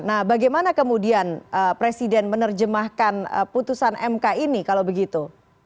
nah bagaimana kemudian presiden menerjemahkan putusan mk ini kalau begitu